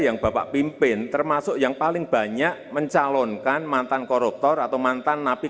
yang bapak pimpin termasuk yang paling banyak mencalonkan mantan koruptor atau mantan napi